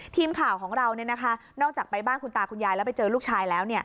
ทีมข่าวของเรานอกจากไปบ้านคุณตาคุณยายแล้วไปเจอลูกชายแล้ว